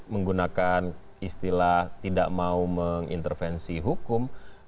menggunakan istilah tidak mau mengintervensi hukum